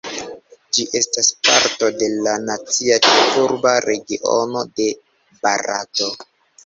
Ĝi estas parto de la Nacia Ĉefurba Regiono de Barato.